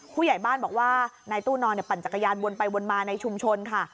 ผู้ใหญ่บ้านบอกว่านายตู้นอนปั่นจักรยานวนไปวนมาในชุมชนค่ะ